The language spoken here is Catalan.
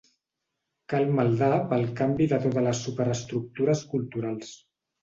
Cal maldar pel canvi de totes les superestructures culturals.